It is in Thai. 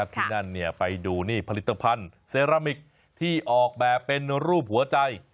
ที่นั่นไปดูนี่ผลิตภัณฑ์เซรามิกที่ออกแบบเป็นรูปหัวใจ